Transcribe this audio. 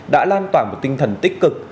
đã lan tỏa một tinh thần tích cực